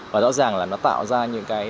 và rõ ràng là nó tạo ra những cái